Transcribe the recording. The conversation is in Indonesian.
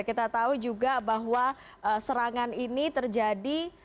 kita tahu juga bahwa serangan ini terjadi